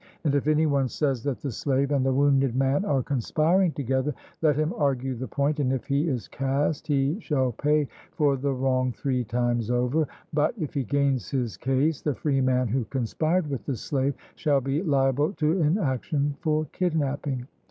And if any one says that the slave and the wounded man are conspiring together, let him argue the point, and if he is cast, he shall pay for the wrong three times over, but if he gains his case, the freeman who conspired with the slave shall be liable to an action for kidnapping.